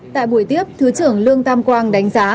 tại buổi tiếp thứ trưởng lương tam quang đánh giá